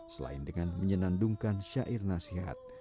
selain dengan menyenandungkan syair nasihat